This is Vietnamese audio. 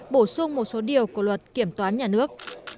bổ sung một số điều của luật kiểm toán nhà nước